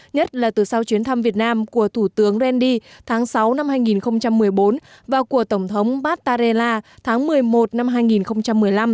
nhất là từ sau chuyến thăm việt nam của thủ tướng radi tháng sáu năm hai nghìn một mươi bốn và của tổng thống battarella tháng một mươi một năm hai nghìn một mươi năm